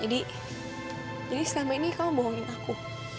jadi jadi selama ini kamu bohongin aku